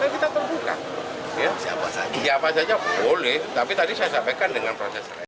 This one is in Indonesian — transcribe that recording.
kita perbuka siapa saja boleh tapi tadi saya sampaikan dengan proses lain